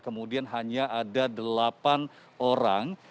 kemudian hanya ada delapan orang